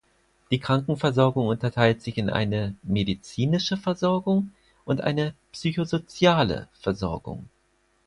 Die Krankenversorgung unterteilt sich in eine "medizinische" Versorgung und eine "psychosoziale" Versorgung.